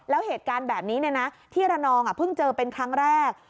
แล้วเหตุการณ์แบบนี้ที่ระนองเพิ่งเจอเป็นครั้งแรก